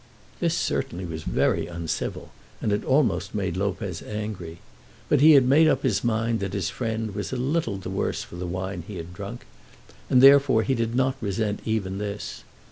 This certainly was very uncivil, and it almost made Lopez angry. But he had made up his mind that his friend was a little the worse for the wine he had drunk, and therefore he did not resent even this.